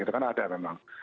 kan ada memang